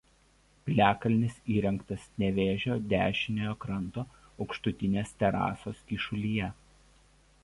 Piliakalnis įrengtas Nevėžio dešiniojo kranto aukštutinės terasos kyšulyje.